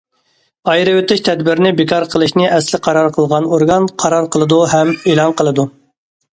ئايرىۋېتىش تەدبىرىنى بىكار قىلىشنى ئەسلىي قارار قىلغان ئورگان قارار قىلىدۇ ھەم ئېلان قىلىدۇ.